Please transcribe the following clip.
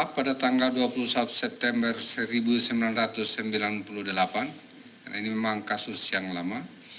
pada tanggal dua puluh satu september seribu sembilan ratus sembilan puluh delapan ini memang kasus yang lama